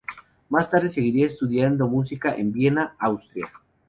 Más tarde seguiría estudiando música en Viena, Austria.